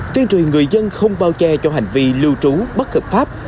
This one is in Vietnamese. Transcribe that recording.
tuyên truyền người dân không bao che cho hành vi lưu trú bất hợp pháp